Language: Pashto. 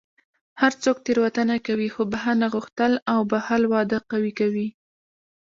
هر څوک تېروتنه کوي، خو بښنه غوښتل او بښل واده قوي کوي.